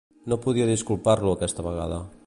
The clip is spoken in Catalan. No podia disculpar-lo aquesta vegada.